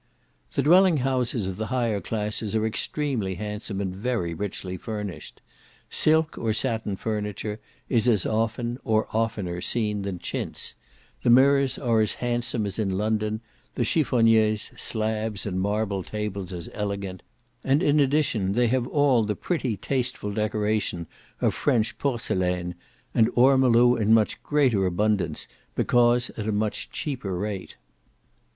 The dwelling houses of the higher classes are extremely handsome, and very richly furnished. Silk or satin furniture is as often, or oftener, seen than chintz; the mirrors are as handsome as in London; the cheffoniers, slabs, and marble tables as elegant; and in addition, they have all the pretty tasteful decoration of French porcelaine, and or molu in much greater abundance, because at a much cheaper rate.